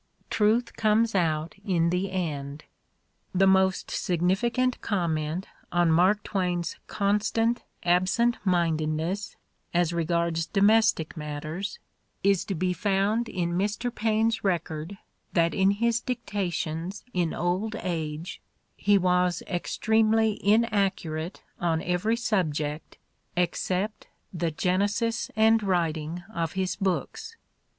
Truth comes out in the end. The most significant comment on Mark Twain 's constant absent mindedness as regards 1 82 The Ordeal of Mark Twain domestic matters is to be found in Mr. Paine 's record that in his dictations in old age he was extremely in accurate on every subject except the genesis and writ ing of his books.